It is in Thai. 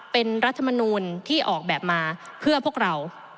เป็นรัฐมนูลที่ออกแบบมาเพื่อพวกเรา